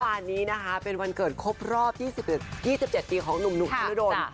วันนี้นะคะเป็นวันเกิดครบรอบที่๒๗ปีของท่านอุดนต์ถนนดนต์